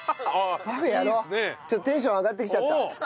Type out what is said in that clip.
ちょっとテンション上がってきちゃった。